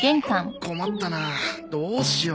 困ったなどうしよう。